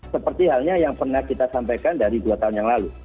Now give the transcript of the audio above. seperti halnya yang pernah kita sampaikan dari dua tahun yang lalu